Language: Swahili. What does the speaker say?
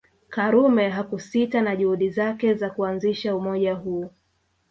Karume hakusita na juhudi zake za kuanzisha umoja huo